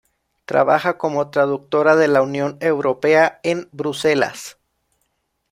Trabaja como traductora de la Unión Europea en Bruselas.